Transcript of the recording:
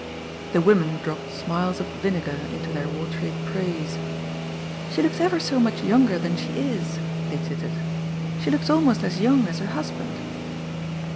The women dropped smiles of vinegar into their watery praise :" She looks ever so much younger than she is," they tittered. ^^ She looks almost as young as her husband."